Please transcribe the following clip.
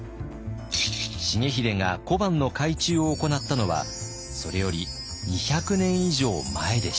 重秀が小判の改鋳を行ったのはそれより２００年以上前でした。